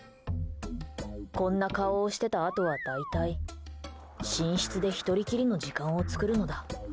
こんな顔をしてたあとは大体寝室で１人きりの時間を作るのだ。